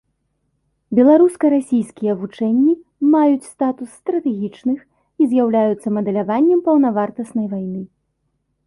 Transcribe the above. Беларуска-расійскія вучэнні маюць статус стратэгічных і з'яўляюцца мадэляваннем паўнавартаснай вайны.